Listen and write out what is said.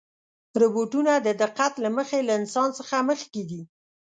روبوټونه د دقت له مخې له انسان څخه مخکې دي.